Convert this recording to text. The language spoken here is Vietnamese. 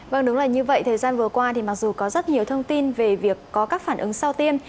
vâng đúng là như vậy thời gian vừa qua thì mặc dù có rất nhiều thông tin về việc có các phản ứng sau tiêm